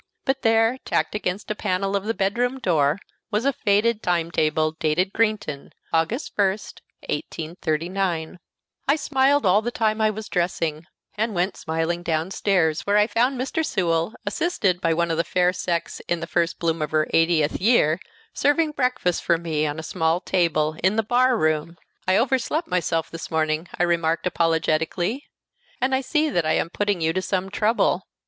But there, tacked against a panel of the bedroom door, was a faded time table dated Greenton, August 1st, 1839. I smiled all the time I was dressing, and went smiling downstairs, where I found Mr. Sewell, assisted by one of the fair sex in the first bloom of her eightieth year, serving breakfast for me on a small table in the bar room! "I overslept myself this morning," I remarked apologetically, "and I see that I am putting you to some trouble.